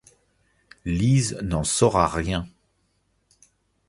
Lise n’en saura rien.